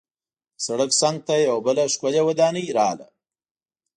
د سړک څنګ ته یوه بله ښکلې ودانۍ راغله.